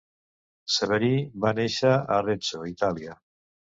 Severi va néixer a Arezzo, Itàlia.